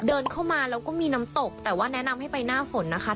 เดินเข้ามาแล้วก็มีน้ำตกแต่ว่าแนะนำให้ไปหน้าฝนนะคะ